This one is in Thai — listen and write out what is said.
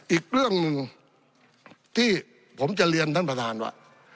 อีกเรื่องหนึ่งที่ผมจะเรียนท่านประธานว่า